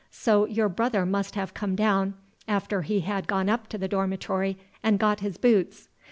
So your brother must have come down, after he had gone up to the dormitory, and got his boots.